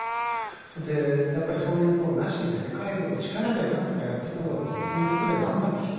それでやっぱりそういうのをなしに介護の力でなんとかやってこようというとこで頑張ってきた。